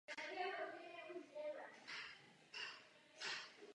To způsobilo zvýšení zájmu o lokalitu.